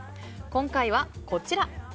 今回は、こちら。